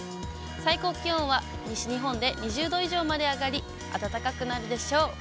最高気温は西日本で２０度以上まで上がり、暖かくなるでしょう。